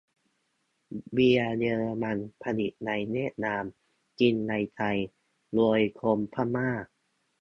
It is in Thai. เบียร์เยอรมัน ผลิตในเวียดนาม กินในไทย โดยคนพม่า